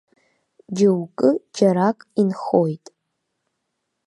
Џьоукы џьарак инхоит.